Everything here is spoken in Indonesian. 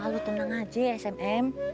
lu tenang aja smm